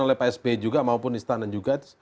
oleh pak sp juga maupun istana juga